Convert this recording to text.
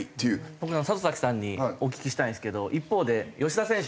僕里崎さんにお聞きしたいんですけど一方で吉田選手